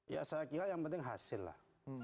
ya saya kira yang penting hasil lah